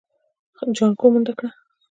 جانکو منډه کړه.